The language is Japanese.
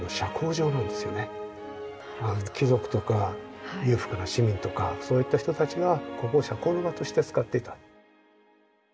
貴族とか裕福な市民とかそういった人たちがここを社交の場として使っていた。